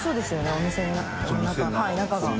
お店の中が。